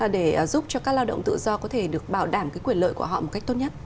để giúp cho các lao động tự do có thể được bảo đảm cái quyền lợi của họ một cách tốt nhất